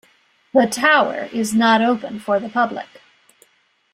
The tower is not open for the public.